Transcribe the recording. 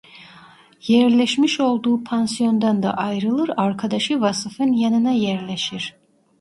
Yerleşmiş olduğu pansiyondan da ayrılır arkadaşı Vasıf'ın yanına yerleşir.